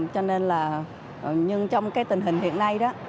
cho nên là nhưng trong cái tình hình hiện nay đó